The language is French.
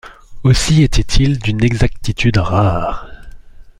Aussi était-il d'une exactitude rare.